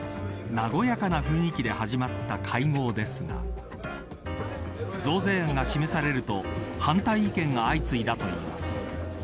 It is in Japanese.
和やかな雰囲気で始まった会合ですが増税案が示されると反対意見が相次いだといいます。